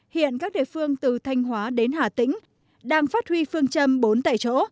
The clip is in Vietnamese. hiện các địa phương từ thanh hóa đến hà tĩnh đang phát huy phương châm bốn tại chỗ